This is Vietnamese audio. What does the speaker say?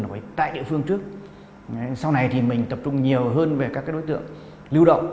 nằm ở tại địa phương trước sau này thì mình tập trung nhiều hơn về các cái đối tượng lưu động